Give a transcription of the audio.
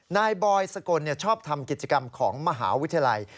นายบอยสกลชอบทำกิจกรรมของมหาวิทยาลัย